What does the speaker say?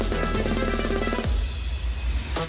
โปรดติดตามต่อไป